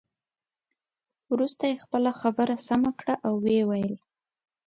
وروسته یې خپله خبره سمه کړه او ويې ویل.